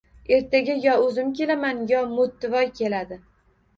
Ertaga yo o‘zim kelaman, yo Mo‘ttivoy keladi